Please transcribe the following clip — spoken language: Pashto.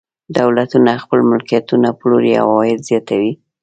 دولتونه خپل ملکیتونه پلوري او عواید زیاتوي.